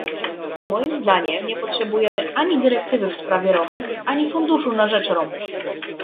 Moim zdaniem nie potrzebujemy ani dyrektywy w sprawie Romów, ani funduszu na rzecz Romów